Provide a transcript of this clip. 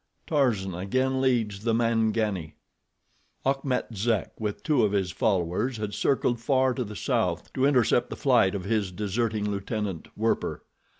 Tarzan Again Leads the Mangani Achmet Zek with two of his followers had circled far to the south to intercept the flight of his deserting lieutenant, Werper.